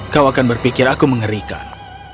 kau akan berpikir aku mengerikan